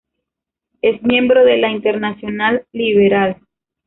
Es miembro de la Internacional Liberal.